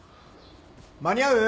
間に合う？